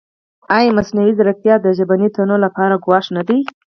ایا مصنوعي ځیرکتیا د ژبني تنوع لپاره ګواښ نه دی؟